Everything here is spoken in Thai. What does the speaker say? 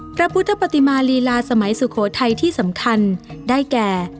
พระพุทธปฏิมาลีลาสมัยสุโขทัยที่สำคัญได้แก่